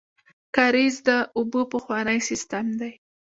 کاریز د اوبو پخوانی سیستم دی